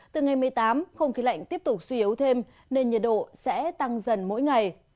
từ ngày một mươi tám không khí lạnh tiếp tục suy yếu thêm nên nhiệt độ sẽ tăng dần mỗi ngày